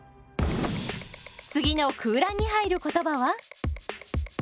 次の空欄に入る言葉は？